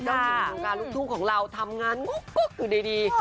ช่างอนนี้ลูกทุ่งของเราทำงานอยู่ใด